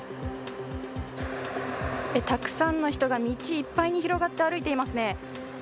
たくさんの人が道いっぱいに広がって歩いていますね。